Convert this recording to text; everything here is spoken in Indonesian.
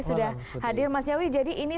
sudah hadir mas nyawi jadi ini